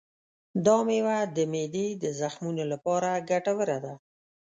دا مېوه د معدې د زخمونو لپاره ګټوره ده.